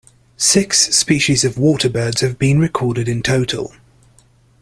Six species of waterbirds have been recorded in total.